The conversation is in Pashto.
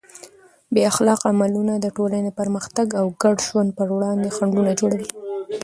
بې اخلاقه عملونه د ټولنې د پرمختګ او ګډ ژوند پر وړاندې خنډونه جوړوي.